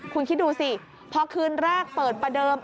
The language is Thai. คุณคิดดูสิพอคืนแรกเปิดประเดิม